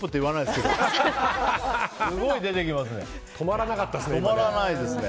すごい出てきますね。